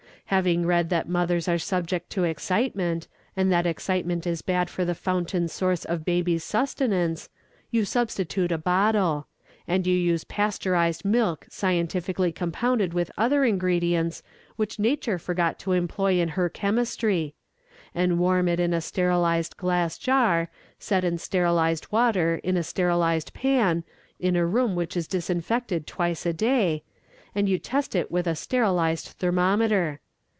Having read that mothers are subject to excitement, and that excitement is bad for the fountain source of baby's sustenance, you substitute a bottle; and you use pasteurized milk scientifically compounded with other ingredients which nature forgot to employ in her chemistry; and warm it in a sterilized glass jar, set in sterilized water in a sterilized pan in a room which is disinfected twice a day, and you test it with a sterilized thermometer.